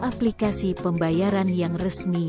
aplikasi pembayaran yang resmi